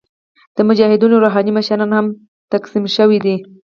د مجاهدینو روحاني مشران هم تقسیم شوي دي.